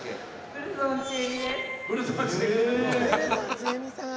「ブルゾンちえみさんを」